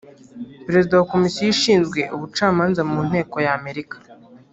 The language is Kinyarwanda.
Perezida wa Komisiyo ishinzwe ubucamanza mu Nteko ya Amerika